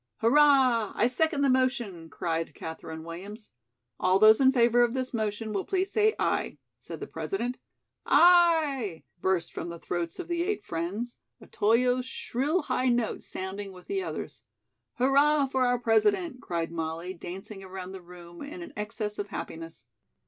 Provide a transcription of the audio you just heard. "Hurrah! I second the motion," cried Katherine Williams. "All those in favor of this motion will please say 'aye'," said the President. "Aye," burst from the throats of the eight friends, Otoyo's shrill high note sounding with the others. "Hurrah for our President," cried Molly, dancing around the room in an excess of happiness.